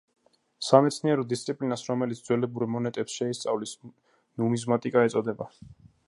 სამეცნიერო დისციპლინას, რომელიც ძველებურ მონეტებს შეისწავლის, ნუმიზმატიკა ეწოდება.